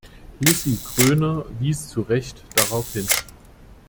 Lissy Gröner wies zu Recht darauf hin.